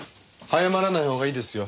早まらないほうがいいですよ。